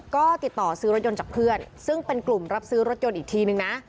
ก็ติดต่อซื้อรถยนต์จากเพื่อนซึ่งเป็นกลุ่มรับซื้อรถยนต์อีกทีนึงนะ